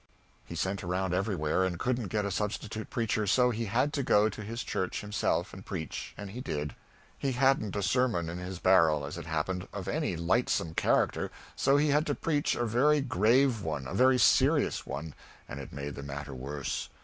He sent around everywhere and couldn't get a substitute preacher, so he had to go to his church himself and preach and he did it. He hadn't a sermon in his barrel as it happened of any lightsome character, so he had to preach a very grave one a very serious one and it made the matter worse.